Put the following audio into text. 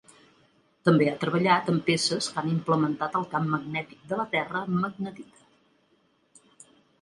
També ha treballat en peces que han implementat el camp magnètic de la Terra amb magnetita.